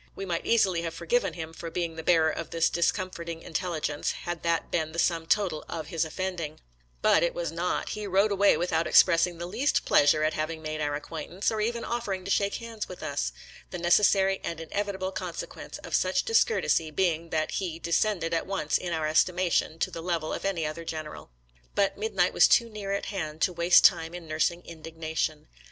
We might easily have forgiven him for being the bearer of this discomforting intelligence had that been the sum total of his 144 SOLDIER'S LETTERS TO CHARMING NELLIE offending; but it was not; he rode away with out expressing the least pleasure at having made our acquaintance, or even offering to shake hands with us — ^the necessary and inevitable con sequence of such discourtesy being that he de scended at once in our estimation to the level of any other general. But midnight was too near at hand to waste time in nursing indignation.